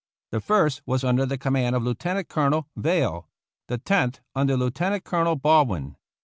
The First was under the command of Lieutenant Colonel Veile, the Tenth under Lieu tenant Colonel Baldwin.